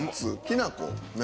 きな粉？